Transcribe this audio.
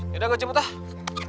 yaudah gua cipu kau